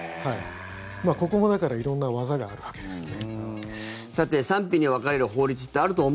ここも、だから色んな技があるわけですよね。